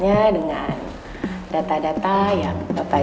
saya akan mencari bukti bukti yang lebih penting